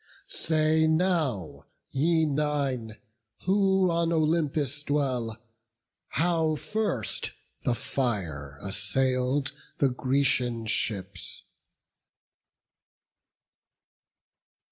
Say now, ye Nine, who on Olympus dwell, How first the fire assail'd the Grecian ships.